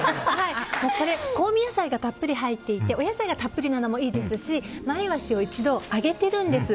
香味野菜がたっぷり入っていてお野菜がたっぷりなのもいいですしマイワシを一度、揚げてるんです。